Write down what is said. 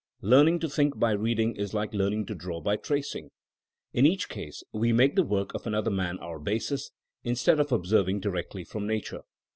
Learning to think by reading is like learning to draw by tracing. In each case we make the work of another man our basis, instead of ob serving directly from Nature.